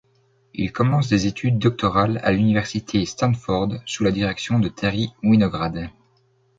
Il commence des études doctorales à l'Université Stanford sous la direction de Terry Winograd.